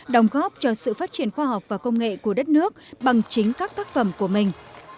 đồng góp cho sự phát triển khoa học và công nghệ của đất nước bằng chính các tác phẩm của mình